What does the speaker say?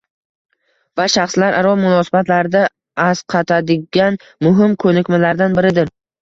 va shaxslararo munosabatlarda asqatadigan muhim ko‘nikmalardan biridir.